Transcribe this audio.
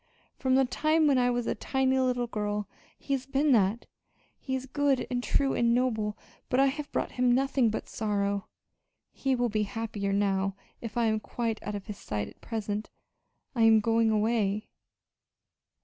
From the time when I was a tiny little girl he has been that. He is good and true and noble, but I have brought him nothing but sorrow. He will be happier now if I am quite out of his sight at present. I am going away."